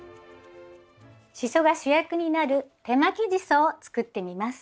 シソが主役になる手巻きジソを作ってみます。